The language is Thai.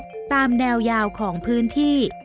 ครั้งแรกตามแนวยาวของพื้นที่